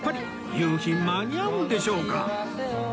夕日間に合うんでしょうか？